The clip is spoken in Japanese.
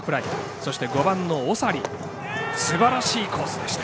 そして、５番の長利すばらしいコースでした。